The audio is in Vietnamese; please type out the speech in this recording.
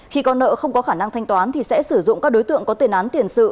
khi con nợ không có khả năng thanh toán thì sẽ sử dụng các đối tượng có tên án tiền sự